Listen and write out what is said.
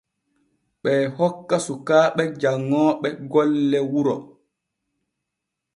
Ɓee hokka sukaaɓe janŋooɓe golle wuro.